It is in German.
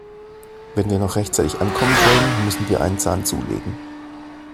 Wenn wir noch rechtzeitig ankommen wollen, müssen wir einen Zahn zulegen.